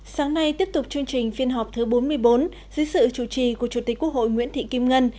sáng nay tiếp tục chương trình phiên họp thứ bốn mươi bốn dưới sự chủ trì của chủ tịch quốc hội nguyễn thị kim ngân